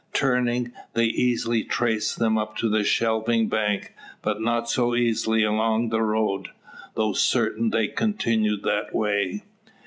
Turning, they easily trace them up the shelving bank; but not so easily along the road, though certain they continue that way.